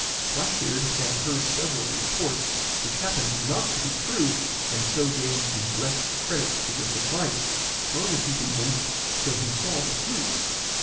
Black beard had heard several reports, which happened not to be true, and so gave the less credit to this advice; nor was he convinced till he saw the sloops.